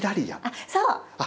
そう！